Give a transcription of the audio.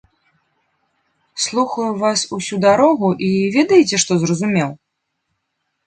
Слухаю вас усю дарогу і, ведаеце, што зразумеў?